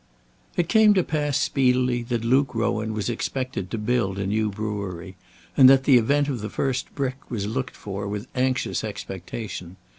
It came to pass speedily that Luke Rowan was expected to build a new brewery, and that the event of the first brick was looked for with anxious expectation.